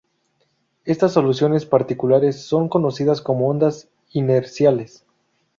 Estas soluciones particulares son conocidas como ondas inerciales.